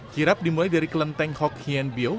kirap dimulai dari kelenteng hok hien biu